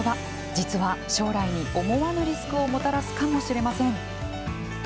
実は、将来に思わぬリスクをもたらすかもしれません。